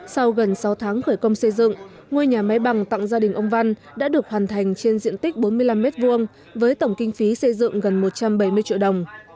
sau gần sáu tháng khởi công xây dựng ngôi nhà máy bằng tặng gia đình ông văn đã được hoàn thành trên diện tích bốn mươi năm m hai với tổng kinh phí xây dựng gần một trăm bảy mươi triệu đồng